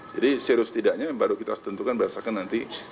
jadi serius tidaknya baru kita tentukan berdasarkan nanti